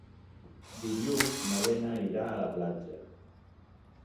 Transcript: Dilluns na Lena irà a la platja.